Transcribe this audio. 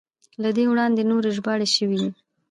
له دې وړاندې نورې ژباړې شوې وې.